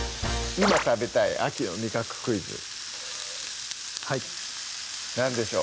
今食べたい秋の味覚クイズはい何でしょう？